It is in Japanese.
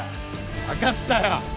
わかったよ！